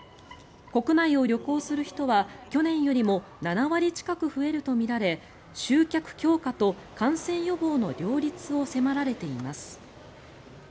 国内を旅行する人は、去年よりも７割近く増えるとみられ集客強化と感染予防の両立を迫られています。